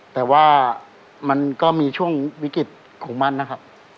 แต่ว่ามันก็มีช่วงวิกฤตของมันนะครับ